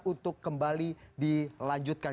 untuk kembali dilanjutkan